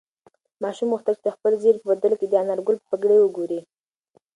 ماشوم غوښتل چې د خپل زېري په بدل کې د انارګل پګړۍ وګوري.